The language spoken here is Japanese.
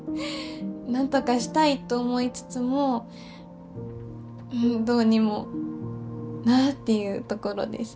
なんとかしたいと思いつつもうんどうにもなあっていうところです